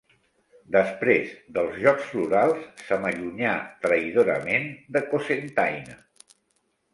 Després dels Jocs Florals se m'allunyà traïdorament de Cocentaina.